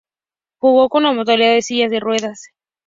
Jugó en la modalidad de silla de ruedas.